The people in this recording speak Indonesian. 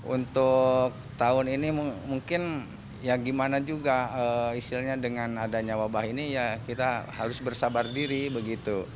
untuk tahun ini mungkin ya gimana juga istilahnya dengan adanya wabah ini ya kita harus bersabar diri begitu